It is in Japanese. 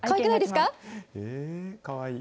かわいい。